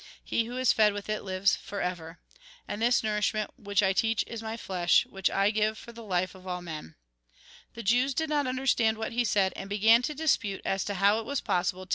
He who is fed with it lives for ever. And this nourishment which I teach is my flesh, which I give for the life of all men." The Jews did not understand what he said, and began to dispute as to how it was possible to Jn. vi. 42. THE TRUE LIFE 71 Jn.